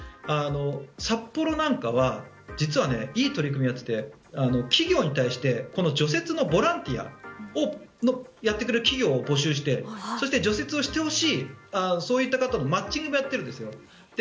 札幌なんかは実はいい取り組みをやっていて企業に対して除雪のボランティアをやってくれる企業を募集してそして、除雪をしてほしいそういった方とのマッチングをやっているんです。